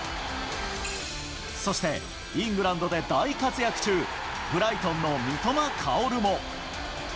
そしてイングランドで大活躍中、ブライトンの三笘薫も。